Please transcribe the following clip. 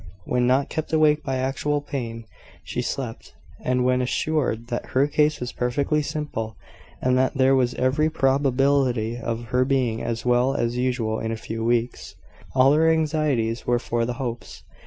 When not kept awake by actual pain, she slept; and when assured that her case was perfectly simple, and that there was every probability of her being as well as usual in a few weeks, all her anxieties were for the Hopes.